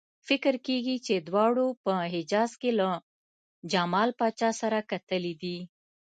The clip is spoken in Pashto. فکر کېږي چې دواړو په حجاز کې له جمال پاشا سره کتلي دي.